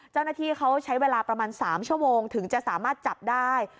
เจ้าหน้าที่เขาใช้เวลาประมาณ๓ชั่วโมงถึงจะสามารถจับได้